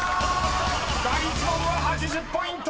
［第１問は８０ポイント！］